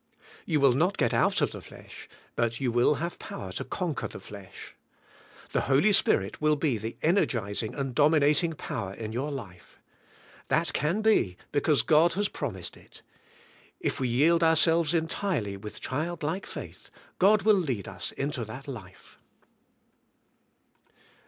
You will not get out of the flesh, but you will have power to conquer the flesh. The Holy Spirit will be the energizing and domin ating power in your life. That can be, because God has promised it. If we yield our lives entirely with child like faith, God will lead us into that life.